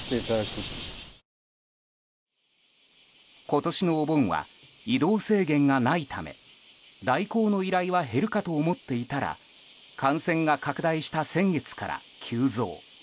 今年のお盆は移動制限がないため代行の依頼は減るかと思っていたら感染が拡大した先月から急増。